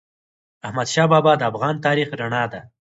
احمدشاه بابا د افغان تاریخ رڼا ده.